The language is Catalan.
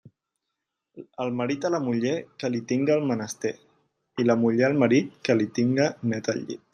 El marit a la muller, que li tinga el menester; i la muller al marit, que li tinga net el llit.